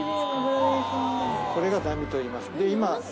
これが濃みといいます。